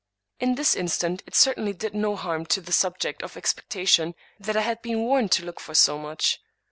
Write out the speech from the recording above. In this instance it certainly did no harm to the subject of expecta tion that I had been warned to look for so much.